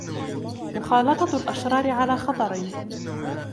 مُخَالَطَةُ الْأَشْرَارِ عَلَى خَطَرٍ